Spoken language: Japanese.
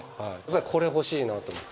これ欲しいなと思って。